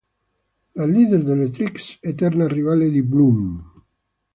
La leader delle Trix, eterna rivale di Bloom.